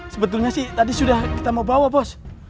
sebetulnya sih tadi sudah kita mau bawa bos